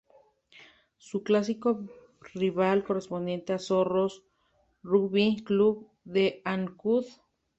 Su clásico rival corresponde a Zorros Rugby Club de Ancud.